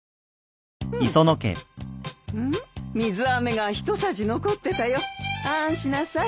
水あめがひとさじ残ってたよあーんしなさい。